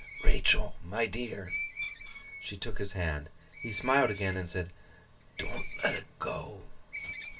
'Rachael, my dear.' She took his hand. He smiled again and said, 'Don't let 't go.